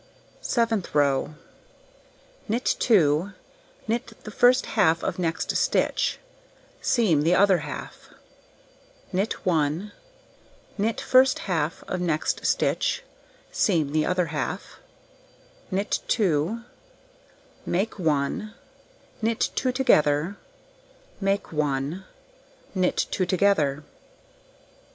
Seventh row: Knit 2, knit the first half of next stitch, seam the other half, knit 1, knit first half of next stitch, seam the other half, knit 2, make 1, knit 2 together, make 1, knit 2 together.